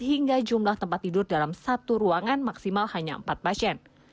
hingga jumlah tempat tidur dalam satu ruangan maksimal hanya empat pasien